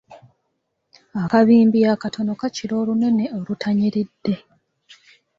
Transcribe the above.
Akabimbi akatono kakira olunene olutanyiridde.